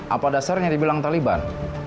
apa dasarnya dibilang taliban